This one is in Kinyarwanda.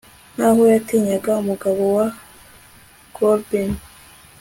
Nkaho yatinyaga umugabo wa goblin